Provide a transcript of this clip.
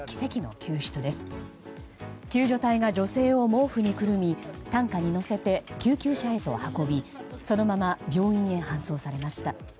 救助隊が女性を毛布にくるみ担架に乗せて、救急車へと運びそのまま病院へ搬送されました。